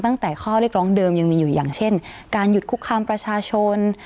ตั้งแต่ข้อเรียกร้องเดิมยังมีอยู่อย่างเช่นการหยุดคุกคามประชาชน